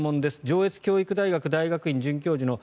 上越教育大学大学院准教授の